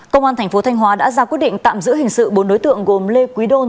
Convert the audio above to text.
công an tp thanh hóa đã ra quyết định tạm giữ hình sự bốn đối tượng gồm lê quý đôn